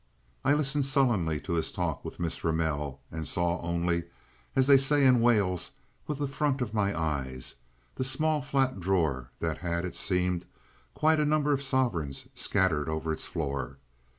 I listened sullenly to his talk with Miss Ramell, and saw only, as they say in Wales, with the front of my eyes, the small flat drawer that had, it seemed, quite a number of sovereigns scattered over its floor.